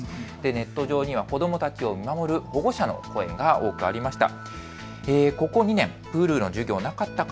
ネット上には子どもたちを見守る保護者の声が多くありました。